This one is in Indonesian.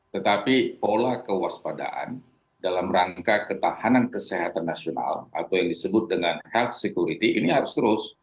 tetapi pola kewaspadaan dalam rangka ketahanan kesehatan nasional atau yang disebut dengan health security ini harus terus